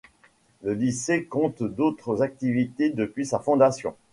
Le lycée compte d’autres activités depuis sa fondation.